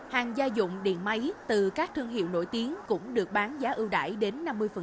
hàng gia dụng điện máy từ các thương hiệu nổi tiếng cũng được bán giá ưu đại đến năm mươi